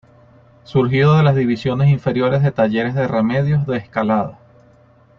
Surgido de las divisiones inferiores de Talleres de Remedios de Escalada.